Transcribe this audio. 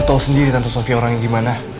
lu tau sendiri tante sofi orangnya gimana